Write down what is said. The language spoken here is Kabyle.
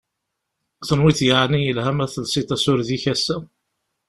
Tenwiḍ yeεni yelha ma telsiḍ asured-ik assa?